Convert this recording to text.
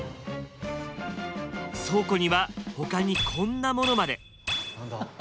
倉庫には他にこんなものまで。